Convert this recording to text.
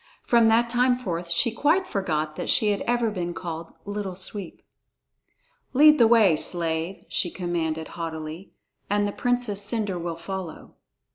From that time forth she quite forgot that she had ever been called "Little Sweep." "Lead the way, slave," she commanded haughtily, "and the Princess Cendre will follow."